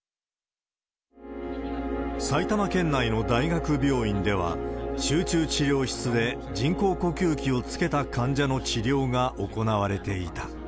埼玉県内の大学病院では、集中治療室で人工呼吸器をつけた患者の治療が行われていた。